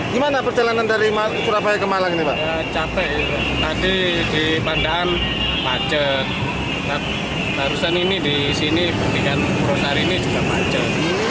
sebenarnya perusahaan ini di sini perpikian purwosari ini juga macet